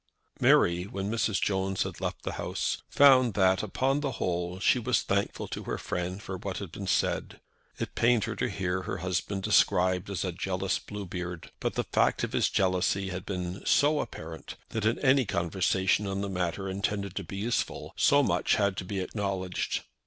Mary, when Mrs. Jones had left the house, found that upon the whole she was thankful to her friend for what had been said. It pained her to hear her husband described as a jealous Bluebeard; but the fact of his jealousy had been so apparent, that in any conversation on the matter intended to be useful so much had to be acknowledged.